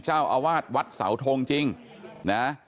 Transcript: เจ้าอาวาสวัดเสาทงจริงนะ